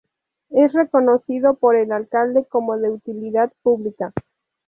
Es reconocido por el alcalde como de utilidad pública.